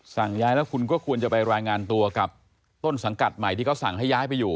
สั่งย้ายแล้วคุณก็ควรจะไปรายงานตัวกับต้นสังกัดใหม่ที่เขาสั่งให้ย้ายไปอยู่